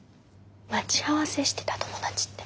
待ち合わせしてた友達って。